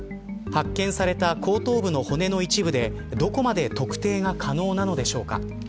発見された後頭部の骨の一部でどこまで特定が可能なのでしょうか。